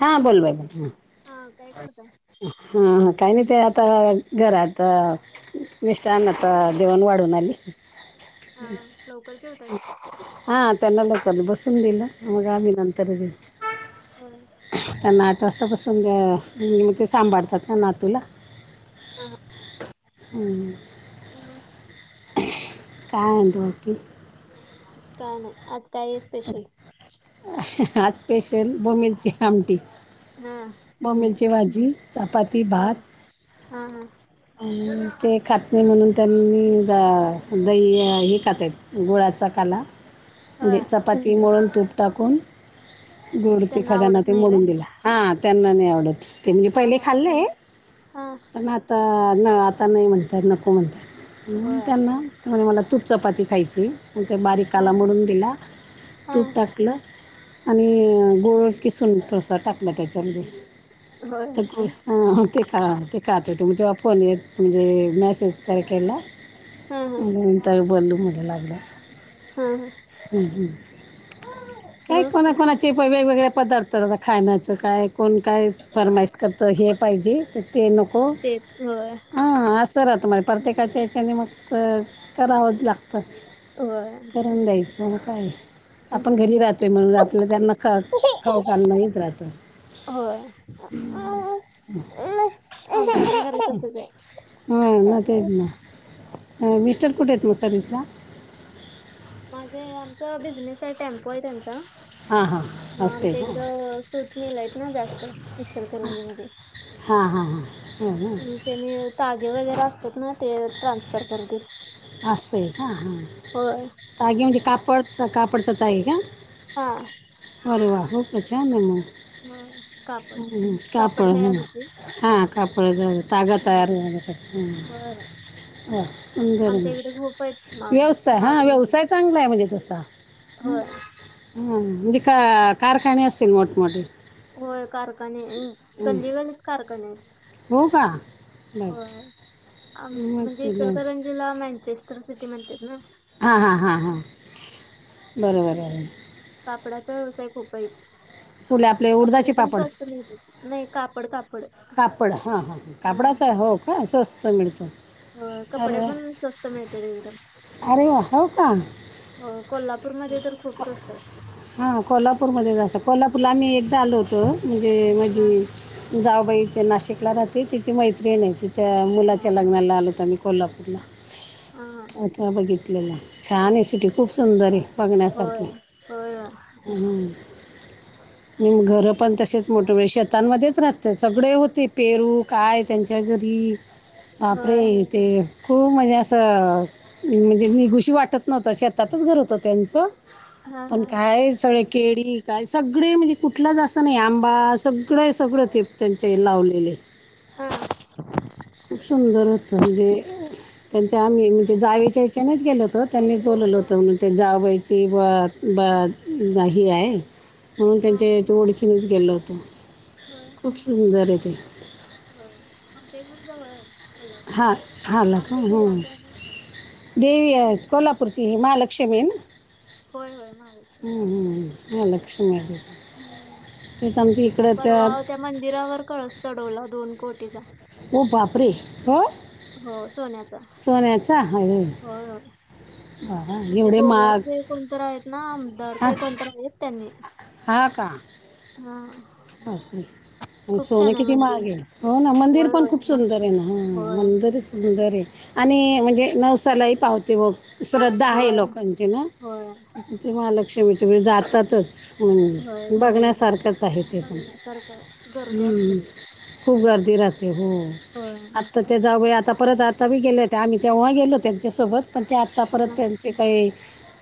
हा बोल बाई काय हा करताय हा काही नाही ते आता घरात मिस्टराणा आता जेवण वाढून आली हा लवकर जेवताय हां त्यांना लगेच बसून दिलं म मग आम्ही नंतर जेऊ होय त्याना आठ वाजता बसून दील म्हणजे मग ते सांभाळतात त्या नातूला हा हा हा हा मग काय म्हणती मग ती काय नाही आज काय आहे स्पेशल आज स्पेशल बोबिंलच आमटी हा हम्म बोंबीलची भाजी चपाती भात होय. हा हा ते खात नाही म्हणून त्यांनी द दही हे खातेत गुळाचा काला म्हणजे होय चपाती मोडून तूप टाकून गोड तिखाट त्यांना आवडत ते नाही काय? मोडून दिला हा त्यांना नाही आवडत ते मी हा पहिले हा. खाल्ले हे हा पण आता न आता नाही म्हणतात नको म्हणतात म्हणून होय. त्यांना त्या मला तूपचपाती खायची ते बारीक हा हा. कालामडून दिला हा तूप टाकलं आणि गुड किसून तसा टाकला त्याच्यामध्ये होय तर पण ह ते खात होते त मग तेेव्हा फोन येत म्हणजे मेसेज तिला कॉल केला हा हा नंतर बोलू म लागल्यास हा हा काही मग कोना कोणाचे ते पण वेगवेगळे पदार्थ खाण्याचं काय कोण काय फरमाईस करतं हे पाहिजे त ते नको ते होय हां असं राहतं मला प्रत्येकाच्या या्याच्याने मग तरराहोत लाग होय करून द्यायचं ना काय हम्म. आपण घरी राहतोय म्हणून आपल्या त्यांना ख खाऊ खाल नाहीच राहत अ हम हां ना तेच ना का मिस्टर कुठ येत मग सर्वसला माझे आमचा बिझनेस आहे टेम्पो आहे त्यांचा हां हां ह असं आहे आमच्या का इकडं सूत मेलय आहेत ना जास्त इचलकरंजी मध्ये हा हा हा ह ना त्यानी तागे वगैरे असतात ना ते ट्रान्सफर करतील असं ह हा होय. तगी म्हणजे कापड कापडचा त आहे का हा अरे वा होत छ न हा कापड मग का कापड पड तयार होते. हां कापड ज तग हा तयाारी आहेग श ह होय ह संदर म आमच्या इकडे खूप आहेत माग व्यवसाय माग हा म्हणतात. व्यवसाय त्याला. चांगला आहे म्हणजे तसा ह होय म्हणे का कारखाने असतील मोठ मोटे होय कारखाने गल्ली गल्त कारखाने हो का बर हो मग तुला म्हणजेलं जिला मॅँचेस्टर सिटी म्हणतात ना हां हां हा हा बरोबर आहे कापडाचा व्यवसाय खूप आहे फुले आपले कपडे उडदाचे पण पापड स्वस्त मिळतील नाही कापड कापड कापड हा हा कापडाच हो का स्वस्त मिळतो होय अे कपडे पण स्वस्त मिळतात अे वा हव का अ कोल्हापूरमध्येध्ये तर खूप स्वस्त असते हा कोल्हापूरमध्ये जात कोल्हापूरला आम्ही हा एकदा आलो होतो म्हणजे हा माजी जावबाई ते नाशिकला राहते तिची मैत्री नाही त च्या हा मुलाच्या हा. लग्नाला आल होत मी कोल्हापूरला हा अथ बघितलेलं छान आहे सिटी खूप सुंदर आहे बघण्यासारखी हळ म घरं पण तसेच मोठे वेळ शेतांमध्येच राहतते ते सगळे होते पेरू काय त्यांच्या घरी होय आपपडे ते खूप म्हजे असं म्हणजे निघुशी वाटत नव्हत शेतातच घर होत त्यांचं हा पण हा काय सळ केळी काय सगळे म्हणजे कुठलंच असं नाही आंबा सगळं सगळं ते त्यांच्याही लावलेले हम खूप सुंदर होतं म्हणजे त्यांच्या आम्ही म्हणजे जावेच्या हच्यानेच गेलो होत त्यांनीच बोललं होतं म्हण जावबायची बात बा ह आहे म्हणून हा त्यांचे तो ओळखीनेच गेलो होतो हो खूप सुंदर आहेेते हो आमच्या इकडून जवळ आहे कोल्हापूर हा हाला का आमचा हो जिल्हाच आहे ना देवी आहे कोल्हापूरची महालक्ष्मी ना होय होय नाही हम्म हम् ह लक्षमी हम्म ते इकडे ते परवा त्या मंदिरावर कळस चढवला दोन कोटीचा हो बापरे हो हो सोन्यात सोण्या्याचा ह र म्हणजे गोव्यात महाग काही कोणत आहेत ना आमदार हा काही कोणत आहेत त्यांनी हा का हा के आणि खूप सोनं छान आहे किती मंदिर माहागे हो ना मंदिर होय पण होय खूप मग सुंदर आहे ना ह होय मंदिर सुंदर आहे आणि म्हणजे नवसालाही पाहते व श्रद्धा आहे होय लोकांची ना होय ते महालक्ष्मी ते म्हजे जातातच म्हण बघण्यासारखंच आहे ते पण सर का गर्दी असते हम्म. खूप गर्दी राहते हो हो तर ते जाऊ आता परत आता बी गेलेत आम्ही तेव्हा गेलो त्यांच्यासोबत पण ते आत्ता परत हा त्यांचे काही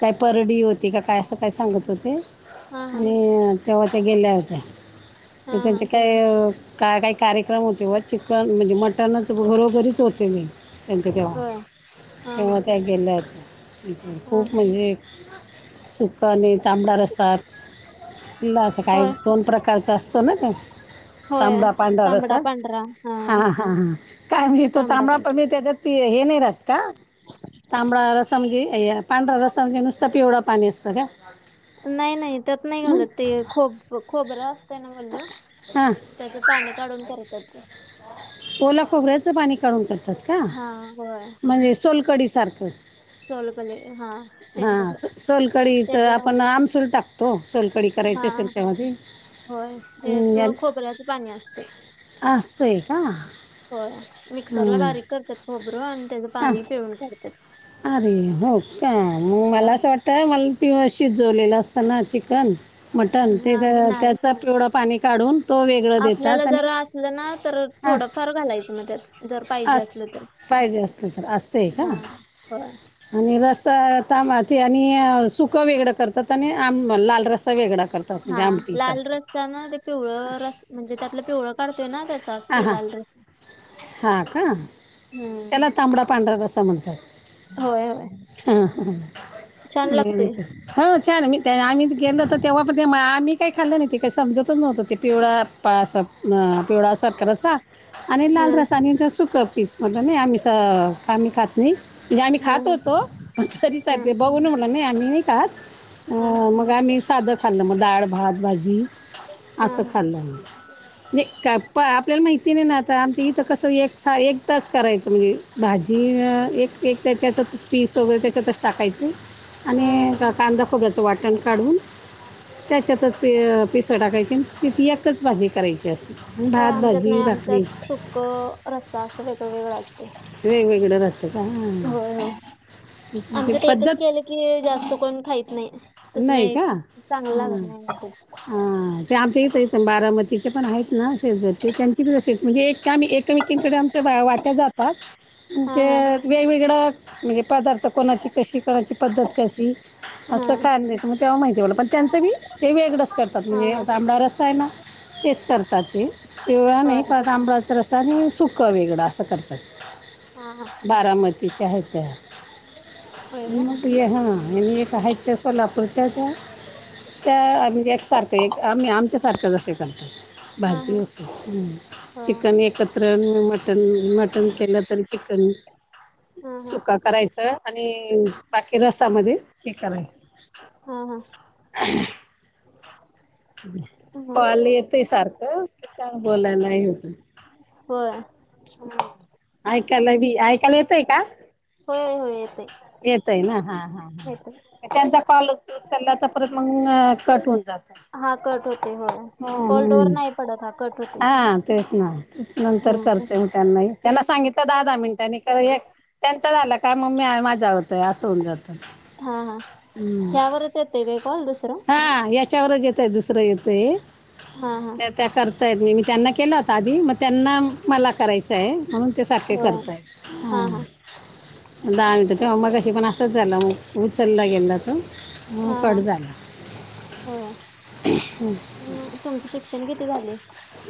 काही परडी होती का काय असं काही सांगत होते हा हा आणि तेव्हा त्या गेल्या होत्या हा ते हा त्यांचे काही काय काही कार्यक्रम होते व चिकन म्हणजे मटणच घरोघरीच होते मी त्यांच्या तेव्हा होय हा हा तेव्हा ते गेले हा खूप म्हणजे सुका आणि तांबडा रसतात असं काही होय दोन प्रकार कायच असतं ना का होय तांबडा पांढर अस तांबडा पांढरा हा हा हा काय म्ह तो तांबडा पण मी त्याच्यात ते हे नाही राहत का तांबडा रसम घी पांढरा रसाे नुसतं पिवडं पाणी असतं का नाही नाही त्यात नाही हं? घालत ते खोब खोब असत त्यांना म्हणल हां त्याच पाणी काढून करतात ते ओला खोबऱ्याचं पाणी काढून करतात का हा होय म्हणजे सोलकडी सारखं सोलकले हा सेम हा तस सोलकडीच त्याच आपण आमसूल टाकतो तो सलकडी करायची हा असेल त्यामध्ये होय हे तर खोपऱ्याच पाणी असते अस अस आहे का होय मिक्सरला हां बारीक करतात खोबरं आणि त्याचं हां पाणी पिळून काढतात अरे हो का मग हा मला असं वाटत तर मला पिवाशी जोडलेलं असतं ना चिकन मटण ते हा नाही त्याच पिवढं पाणी काढून तो वेगळं आपल्याला देतात जर आणि असलं ना तर हां थोडंफार घालायचं मग त्यात जर पाहिजे अस असलं तर पाहिजे असलं तर असं आहे का हा आणि रसा तमी आणि सुकं वेगळं करतात आणि आम लाल रसा वेगळा करतात हा म्हणजे लाल आमटीसाठी रसचा ना ते पिवळ रस म्हणजे त्यातलं पिवळं काढतय ना त्याचा हां असतो हां लाल रस. हां का हम्म त्याला तांबडा पांढरा रस्सा म्हणतात. होय होय हा हा छान लागते ह छान मी आम्ही गेलो तर तेव्हा पण ते आम्ही काही खाल्लं नाही ते काही समजतचव्हतं ते पिवळा पा अस पिवळा सख रसा आणि हा लाल रसा तचा सुख पिचमध्ये तर नाही आमही स आम्ही खात नाही म्हणजे आम्ही हा खात होतो तरी सा हा बघू ना म्हला नाही आम्ही नाही खात हा हा हा मग आ्ही साधं खाल्लं मग दाळ भात भाजी हा असं हा खाल्लं म का प आपल्याला माहिती नाही ना आता आम इथं कसं एक एक आताच करायचं म्हणजे भाजी एक एक त्याच्यातच पीस वगैरे त्याच्यात टाकायचे हा हा आणि कांदा खोबऱ्याचं वाटण काढून त्याच्यातच पी पिसं टाकायची तिती एकच भाजी करायची असते भात, भाजी भाकरी. सुखं रसा असं वेगळं वेगळं असते. वेगवेगळ राहत का होय होय हि आमचं एकच पद्धत केलं ते जास्त कोण खाहीत नाही तस नाही चांगलं हां लागत नाही म खूप ते आमच्या इथं इथं बारामतीचे पण आहेत ना शेजरचे त्यांची पण असे म्हणजे एक ते एकमेकीकडे आमच्या वाट्या जातात हा ते हा वेगवेगळां म्हणजे पदार्थ कोणाची कशी कोणाची पद्धत कशी हा असं म तेव्हा माहिती वा पण त्यांचं मी ते वेगळं करतात हा म्हणजे हा आंबड रस्सा आहे ना. तेच करतात ते तेवळा नाही होय तांबळा चा रसा आणि सुकं वेगळं असं करतात. हा हा बारामती च्या आहे त्या होय काय म ल काही त्या सोलापूरच्या त्या त्या आ एक सारखे एकम आमच्या सारखे जसे लत हा भाजी हा नुसत होय चिकन एकत्र मटन मटन केलं तर चिकन हा हा सुका करायचं आणि बाकी रसामध्ये ते हा लायच हा हा कॉल येतय सारखं त्याचं न बोलायलाही होत होय. ऐकायला बी ऐकायला येतय का? होय होत येतेय. येत आहे ना हा हा ह त्यांचा कॉल उचलला तर परत मग कट होऊन जातो. हा कट होते हो होल्डोवर नाही पडत हा कट होतोय. हां तेसना. नंतर करते म्हटलं त्यांना सांगितलं दहा -दहा मिनिटांनी कर एक त्यांच झालं काय मम्मी मा असं होउन जातं हा हा ह्यावरच येते काय कॉल दुसरं हां यांच्या त्याच्यावरच येतय दुसरं येतय हा हा त्या -त्या कर म मी त्यांना केला होता आधी मग त्यांना मला करायचं म्हणून ते सारखे होय करताय हा हा होय का हां तेव्हा मग कशी पण असंच झालं मग उचलला गेला तो. ह हा कट हा झाला होय तुमचं शिक्षण किती झालेय.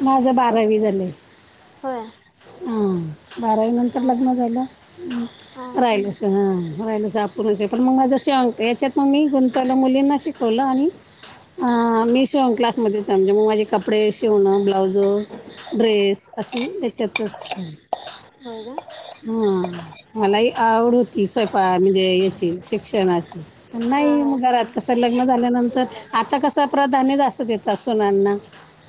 माझं बारावी झालंय होय हा बारावी नंतर हा लग्न झालं. हा राहिलच ह राहिलच अूर्ण पण मग शिवण याच्यात मग मी गुंतावल मुलींना शिक ठलं आणि मी शिवण क्लासमध्येच म्हणजे मग माझे कपडे शिवणं ब्लाउज ड्रेस अशी हच्यातच होय का हम्! मलाही आवड होती स्वयपा म्हणजे याची शिक्षणाची पण हा नाही हा मग घरात कसं लग्न झाल्यानंतर जमलं नाही आता का कसं प्रधान्य जास्त देतात सुनांना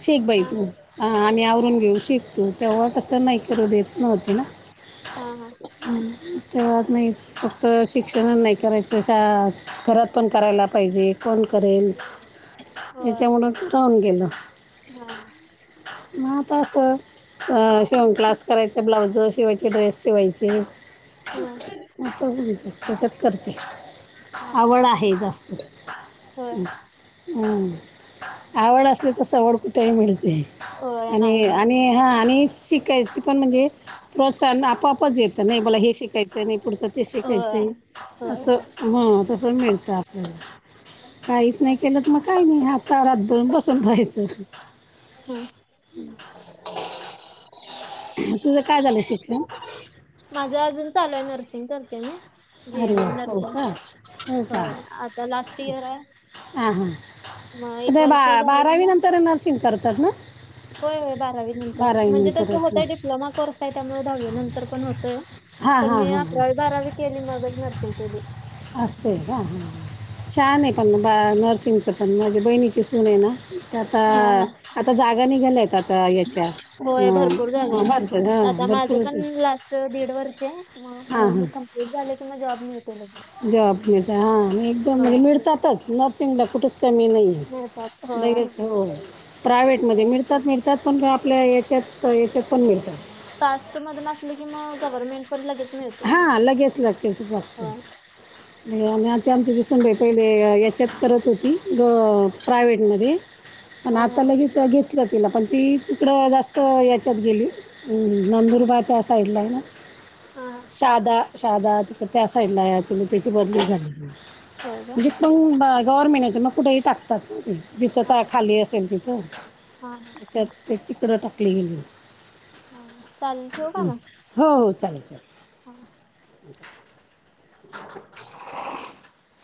शिक बाई हा तू हा आम्ही आवरून घेऊ शिक तू तेव्हा कसं नाही करू देत नते ना हा हा हा ते नाही फक्त शिक्षण नाही करायचं शाळात घरात पण करायला पाहिजे. कोन करेल होय याच्यामुळं राहून गेलं. हा ह म आता असं अ शिवण क्लास करायचा ब्लाउज शिवायचे ड्रेस शिवायचे. हा मत तेच त्याच्यात करतेस हा हा आवड आहे जास्त. होय आवड असली तर सवड कुठेही मिळते. होय नाही आणि मिळत आणि हा आणि शिक. शिकायची पण म्हणजे प्रोत्साहन आपोआपच येतं नाही मला हे शिक शिकायचं पुढचं ते होय शिकायचंय होय असं ह तसं मिळतं आपल्याला. काहीच नाही होय केलं तर मग काही नाही हातावर हात धरून बसून रायचं. हम! हम्! तुझं काय झालंय शिक्षण? माझं अजून चालू आहे. नर्सिंग करते मी. जी अरे आणि वा नर हो का हो आता लास्ट इयर आहे हां हां मग एक ते बा वर्ष झालं की बारावी मग... नंतर नर्सिंग करतात ना? होय होय बारावी नंतर बारावी म्हणजे तसं नंतरच ना होतंय डिप्लोमा कोर्स आहे त्यामुळे दहावी नंतर पण होतंय. हां पण हां मी हां हां अकरावी बारावी केली मग नर्सिंग केली. असे आहे का छान आहे पण बाळा नर्सिंगचं पण माझ्या बहिणीची सुून आहे ना त्या आता हा हा आता जागा निघाल्या आहेत आता याच्या होय भरपूर झाले. बर.. आता माझं पण लास्ट दीड वर्ष आहे. हां हां ते झाले कि म जॉब मिळतो लगी जॉब मि हां एकदम म्हणजे मिळतातच नर्सिंगला कुठेच कमी नाही. मिळतात होय हो प्रायव्हेट मध्ये होय. मिळतात मिळत त्यात पण का आपल्या याच्यात याच्यात पण मिळतात. कास्ट मधून असले की मग गव्हर्मेंट पण लगेच मिळते. होय आणि आ ते आमच्या सुनबाई पहिले याच्यात करत होती ग प्रायव्हेटमध्ये आणि हा आता हा लगेच त्या घेतलं तिला पण ती तिकडं जास्त याच्यात गेली नंदुरबार. त्या साईडला आहे ना? हा साधा साधा त त्या साईडला या तिला त्याची बदली झाली होय का? म्हणजे पग बा गव्हर्नमेंटाच्या मग कुठेही टाकतात? जिथ हां खाली असेल हां हां तिथंच्या ते तिकड टाकली गेली हां चालेल हो चालेल चालेल हो अ [unintelligible]